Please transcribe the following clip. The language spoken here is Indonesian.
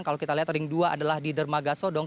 kalau kita lihat ring dua adalah di dermagasodong